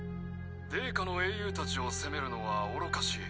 泥花の英雄達を責めるのは愚かしい。